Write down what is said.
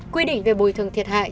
quy định về bồi thường thiệt hại